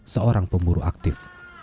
seorang pemburu aktif